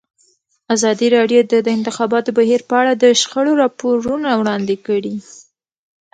ازادي راډیو د د انتخاباتو بهیر په اړه د شخړو راپورونه وړاندې کړي.